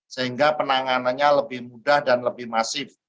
sehingga penanganannya lebih mudah dan lebih masif